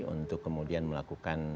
untuk kemudian melakukan